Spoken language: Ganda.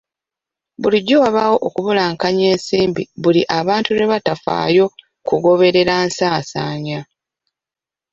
Bulijjo wabaawo okubulankanya ensimbi buli abantu lwe batafaayo kugoberera nsaasaanya.